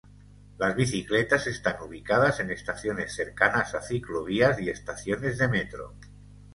Las bicicletas están ubicadas en estaciones cercanas a ciclovías y estaciones de Metro.